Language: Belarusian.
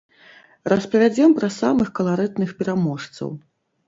Распавядзем пра самых каларытных пераможцаў.